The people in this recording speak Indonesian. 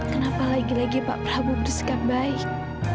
kenapa lagi lagi pak prabu berusaha baik